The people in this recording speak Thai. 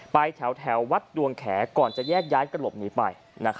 ไปแถววัดดวงแขก่อนจะแยกย้ายกระหลบหนีไป